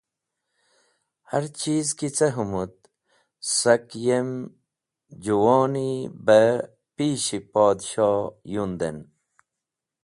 Harchiz ki ce hũmũt, sak yem juwoni bah pish-e Podshoh yunden.